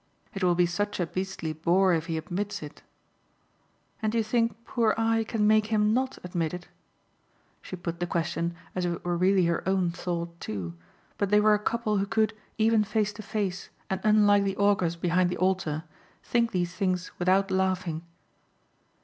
"It will be such a beastly bore if he admits it." "And you think poor I can make him not admit it?" She put the question as if it were really her own thought too, but they were a couple who could, even face to face and unlike the augurs behind the altar, think these things without laughing.